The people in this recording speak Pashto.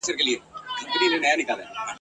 سړي سمدستي کلا ته کړ دننه ..